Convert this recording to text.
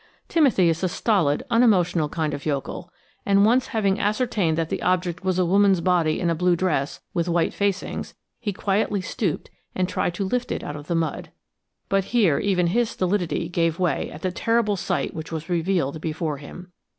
Timothy is a stolid, unemotional kind of yokel, and, once having ascertained that the object was a woman's body in a blue dress with white facings, he quietly stooped and tried to lift it out of the mud. But here even his stolidity gave way at the terrible sight which was revealed before him.